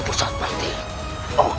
ibu ndaku tapi tidak